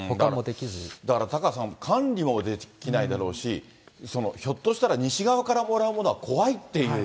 だからタカさん、管理もできないだろうし、ひょっとしたら、西側からもらうものは怖いっていう。